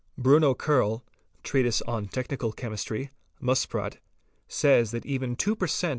Bruno Kerl (Treatise on Technical Chemistry ; Muspratt) | says that even two per cent.